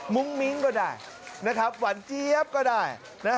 มุ้งมิ้งก็ได้หวานเจี๊ยบก็ได้